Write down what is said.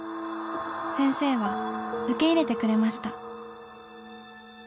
先生は受け入れてくれました」。